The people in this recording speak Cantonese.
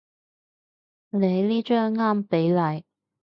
你呢張啱比例